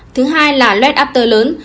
thứ hai là lết after lớn